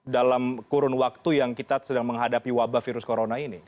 dalam kurun waktu yang kita sedang menghadapi wabah virus corona ini